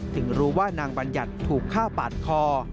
รู้ว่านางบัญญัติถูกฆ่าปาดคอ